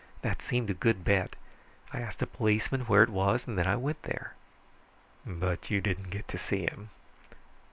That seemed a good bet. I asked a policeman where it was, and then I went there." "But you didn't get to see him."